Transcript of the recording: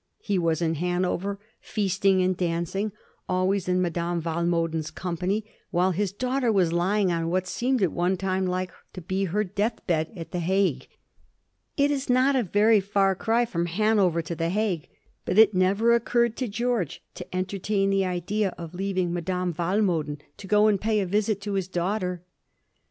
He was in Hanover, feasting and dancing, always in Madame Walmoden'a company, while bifl daagbter was lying on what seemed at one time like to be her death bed at the H^ne. It is not a Teiy far cry from Hanover to the Hagne, bat it never ocenrred to Geoi^e to entertain the idea of leaving Madame Walmo den to go and pay a visit to his danghter.